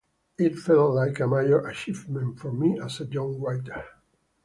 It felt like a major achievement for me as a young writer.